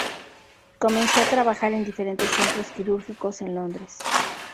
Comenzó a trabajar en diferentes centros quirúrgicos en Londres.